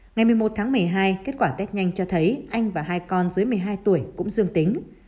ngày một mươi một tháng một mươi hai kết quả test nhanh cho thấy anh và hai con dưới một mươi hai tuổi cũng dương tính